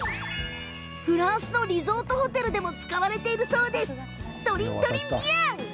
フランスのリゾートホテルでも使われているそうです。